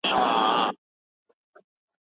په ميتافزيکي پړاو کي استدلال پياوړی کيږي.